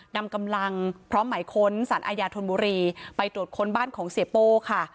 นำกำลังพร้อมหมายค้นสารอาญาธนบุรีไปตรวจค้นบ้านของเสียโป้ค่ะ